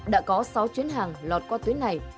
đã có sáu chuyến hàng lọt qua tuyến này